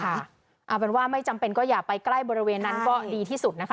เอาเป็นว่าไม่จำเป็นก็อย่าไปใกล้บริเวณนั้นก็ดีที่สุดนะคะ